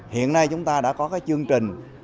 hiện nay chúng ta đã có chương trình